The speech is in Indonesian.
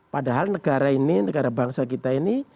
padahal negara ini negara bangsa kita ini